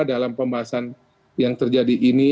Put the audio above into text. dalam pembahasan yang terjadi ini